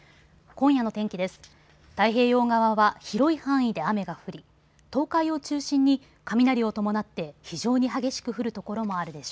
今夜の天気です。